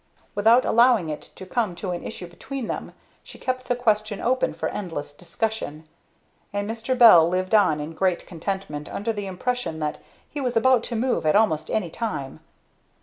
Without allowing it to come to an issue between them, she kept the question open for endless discussion; and Mr. Bell lived on in great contentment under the impression that he was about to move at almost any time.